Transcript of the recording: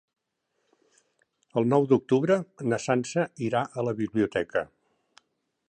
El nou d'octubre na Sança irà a la biblioteca.